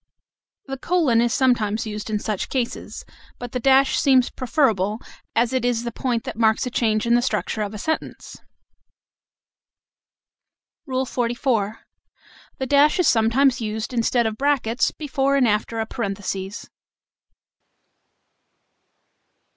The colon is sometimes used in such cases; but the dash seems preferable, as it is the point that marks a change in the structure of a sentence. XLIV. The dash is sometimes used instead of brackets before and after a parenthesis.